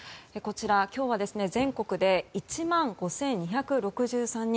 今日は全国で１万５２６３人。